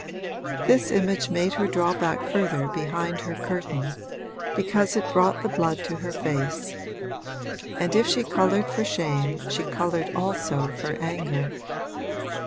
This image made her draw back further behind her curtain, because it brought the blood to her face; and if she coloured for shame she coloured also for anger.